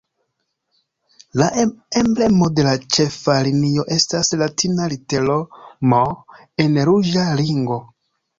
La emblemo de la ĉefa linio estas latina litero "M" en ruĝa ringo.